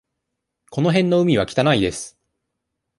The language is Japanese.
この辺の海は汚いです。